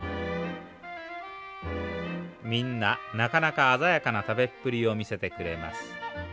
みんななかなか鮮やかな食べっぷりを見せてくれます。